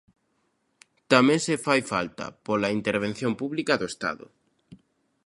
Tamén, se fai falta, pola intervención pública do Estado.